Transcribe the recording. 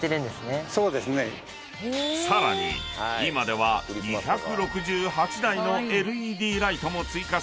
［さらに今では２６８台のＬＥＤライトも追加され］